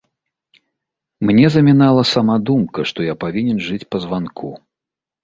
Мне замінала сама думка, што я павінен жыць па званку.